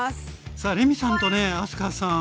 さあレミさんとね明日香さん